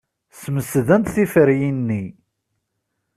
Smesdent tiferyin-nni.